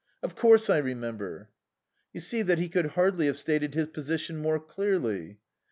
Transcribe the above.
"Of course I remember." "You see that he could hardly have stated his position more clearly."